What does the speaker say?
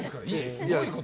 すごいこと。